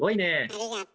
ありがと。